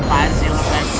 pernah lihat jalan itu